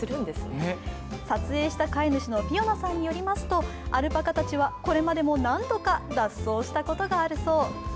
撮影した飼い主のフィオナさんによりますとアルパカたちはこれまでも何度か脱走したことがあるそう。